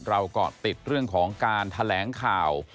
เกาะติดเรื่องของการแถลงข่าว